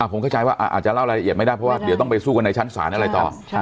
ผมเข้าใจว่าอาจจะเล่ารายละเอียดไม่ได้เพราะว่าเดี๋ยวต้องไปสู้กันในชั้นศาลอะไรต่อ